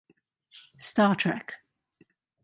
Star Trek